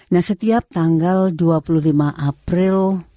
nah setiap tanggal dua puluh lima april